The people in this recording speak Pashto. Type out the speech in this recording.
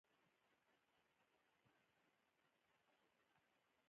زه پکتيا پوهنتون ته ځم